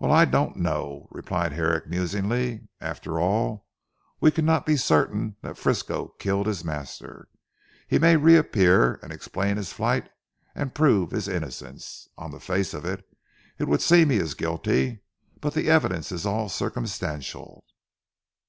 "Well I don't know," replied Herrick musingly, "after all we cannot be certain that Frisco killed his master. He may re appear and explain his flight and prove his innocence. On the face of it, it would seem he is guilty but the evidence is all circumstantial.